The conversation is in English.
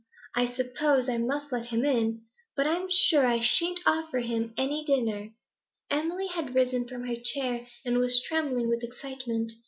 I suppose I must let him in; but I'm sure I shan't offer him any dinner.' Emily had risen from her chair, and was trembling with excitement.